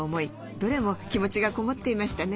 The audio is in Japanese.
どれも気持ちがこもっていましたね。